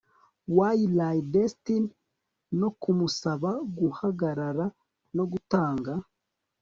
Waylay Destiny no kumusaba guhagarara no gutanga